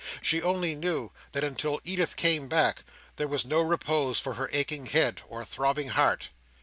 She only knew that until Edith came back, there was no repose for her aching head or throbbing heart.